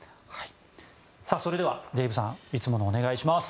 それではデーブさんいつものお願いします。